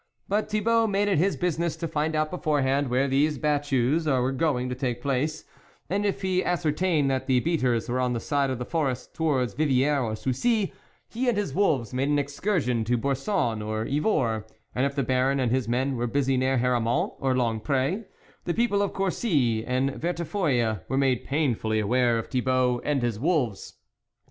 But Thibault made it his business to find out beforehand where these battues were going to take place, and if he ascer tained that the beaters were on the side of the forest towards Viviers or Soucy, he and his wolves made an excursion to Boursonnes or Yvors ; and if the Baron and his men were busy near Haramont or Longpre, the people of Corey and Verte feuille were made painfully aware of Thi bault and his wolves.